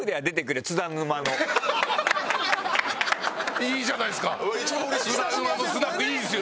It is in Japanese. いいじゃないっすか！